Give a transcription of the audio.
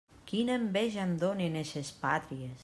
Quina enveja em donen eixes pàtries!